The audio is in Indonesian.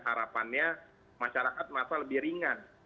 harapannya masyarakat merasa lebih ringan